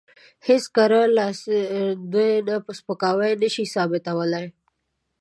هېڅ کره لاسوندونه په سپکاوي نشي ثابتولی.